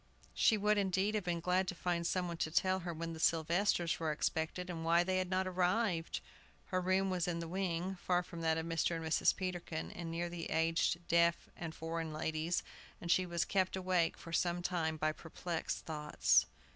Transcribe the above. She would, indeed, have been glad to find some one to tell her when the Sylvesters were expected, and why they had not arrived. Her room was in the wing, far from that of Mr. and Mrs. Peterkin, and near the aged deaf and foreign ladies, and she was kept awake for some time by perplexed thoughts.